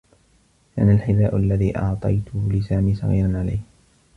كان الحذاء الذي أعطيته لسامي صغيرا عليه.